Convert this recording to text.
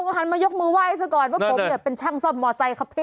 หันมายกมือไหว้ซะก่อนว่าผมเนี่ยเป็นช่างซ่อมมอไซคครับพี่